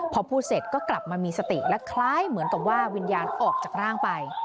พอพูดเสร็จก็กลับมามีสติและคล้ายเหมือนกับว่าวิญญาณออกจากร่างไป